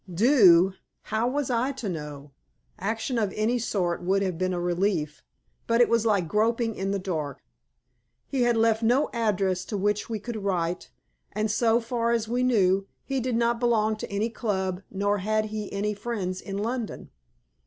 Do! How was I to know? Action of any sort would have been a relief, but it was like groping in the dark. He had left no address to which we could write, and, so far as we knew, he did not belong to any club nor had he any friends in London.